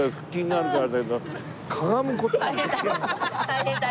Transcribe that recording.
大変だ。